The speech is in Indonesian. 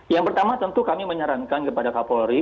yang pertama tentu kami menyarankan kepada kapolri